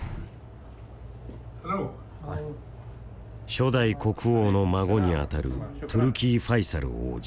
初代国王の孫にあたるトゥルキー・ファイサル王子。